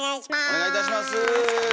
お願いいたします。